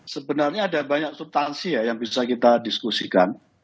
sebenarnya ada banyak subtansi ya yang bisa kita diskusikan